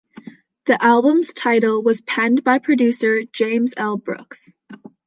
The album's title was penned by producer James L. Brooks.